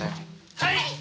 はい！